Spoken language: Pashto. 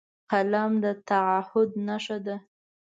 قلم د تعهد نښه ده